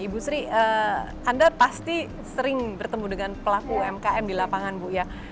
ibu sri anda pasti sering bertemu dengan pelaku umkm di lapangan bu ya